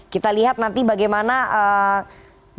kita lihat nanti bagaimana